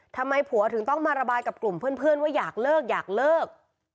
ทำไมผัวถึงต้องมาระบายกับกลุ่มเพื่อนว่าอยากเลิกอยากเลิก